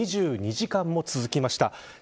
２２時間も続きました。